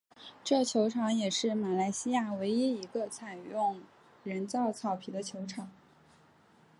这球场也是马来西亚唯一一个采用人造草皮的球场。